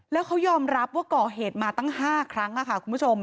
แล้วเขายอมรับว่าก่อเหตุมาตั้ง๕ครั้งค่ะคุณผู้ชม